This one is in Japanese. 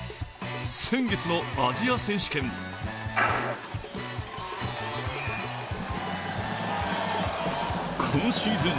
先月のアジア選手権今シーズン